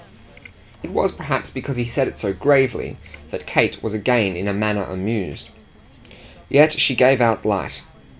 It was perhaps because he said it so gravely that Kate was again in a manner amused. Yet she gave out light.